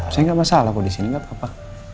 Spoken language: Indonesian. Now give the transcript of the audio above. saya gak masalah kok disini gak apa apa